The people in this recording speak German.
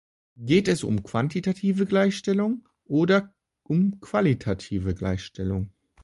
Geht es um quantitative Gleichstellung oder um qualitative Gleichstellung?